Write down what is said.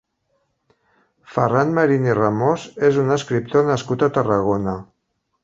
Ferran Marín i Ramos és un escriptor nascut a Tarragona.